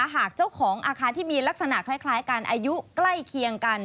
หากเจ้าของอาคารที่มีลักษณะคล้ายกันอายุใกล้เคียงกัน